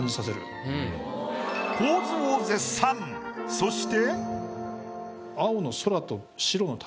そして。